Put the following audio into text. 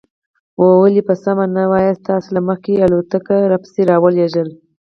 ولې په سمه نه وایاست؟ تاسې له مخکې الوتکې را پسې را ولېږلې.